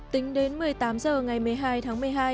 tính đến một mươi tám h ngày một mươi hai tháng một mươi hai